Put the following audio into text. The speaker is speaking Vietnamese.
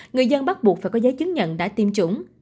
người dân bắt buộc phải có giấy chứng nhận đã tiêm chủng